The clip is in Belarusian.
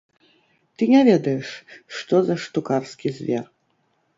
Ты не ведаеш, што за штукарскі звер.